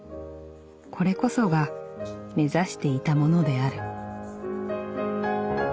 これこそが目指していたものである」。